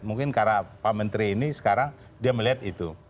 mungkin karena pak menteri ini sekarang dia melihat itu